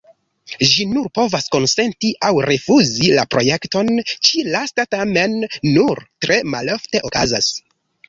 Ĝi nur povas konsenti aŭ rifuzi la projekton; ĉi-lasta tamen nur tre malofte okazas.